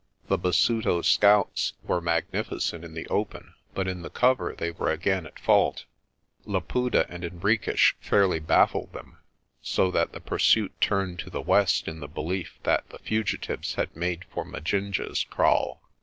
The Basuto scouts were magnificent in the open but in the cover they were again at fault. Laputa and Henriques fairly baffled them, so that the pursuit turned to the west in the belief that the fugitives had made for Majinje's kraal.